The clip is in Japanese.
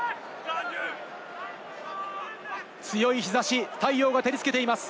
強い日差し、太陽が照りつけています。